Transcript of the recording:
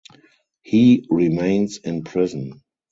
He remains in prison.